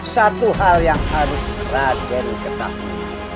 satu hal yang harus raden ketahui